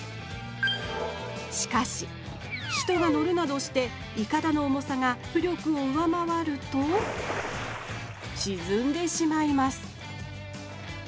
しかし人が乗るなどしていかだの重さが浮力を上回るとしずんでしまいます